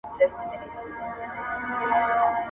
• اخښلي در بخښلي، خو چي وچ مي لانده نه کړې.